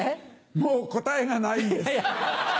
もう答えがないんです。